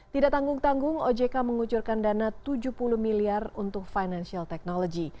tidak tanggung tanggung ojk mengucurkan dana tujuh puluh miliar untuk financial technology